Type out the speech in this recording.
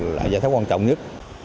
là giải pháp quan trọng nhất